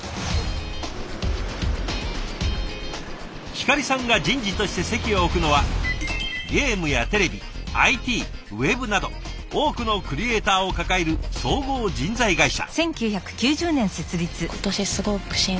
ひかりさんが人事として籍を置くのはゲームやテレビＩＴウェブなど多くのクリエーターを抱える総合人材会社。